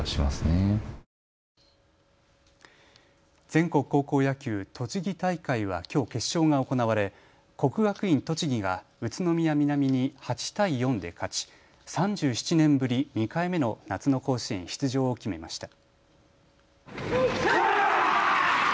全国高校野球栃木大会はきょう決勝が行われ、国学院栃木が宇都宮南に８対４で勝ち３７年ぶり２回目の夏の甲子園出場を決めました。